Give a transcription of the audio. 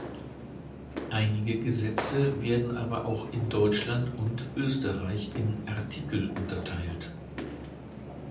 Einige Gesetze werden aber auch in Deutschland und in Österreich in Artikel unterteilt.